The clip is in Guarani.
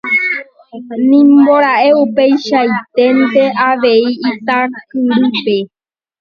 Nimbora'e upeichaiténte avei Itakyrýpe.